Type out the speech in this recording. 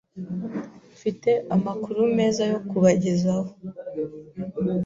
Mfite amakuru meza yo kubagezaho.